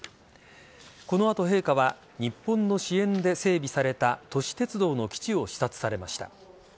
この後、陛下は日本の支援で整備された都市鉄道の基地を視察されました。